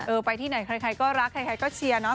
ไปที่ไหนใครก็รักใครก็เชียร์เนาะ